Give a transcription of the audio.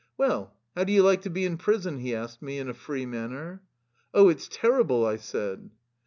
"Well, how do you like to be in prison?" he asked me in a free manner. " Oh, it 's terrible! " I said.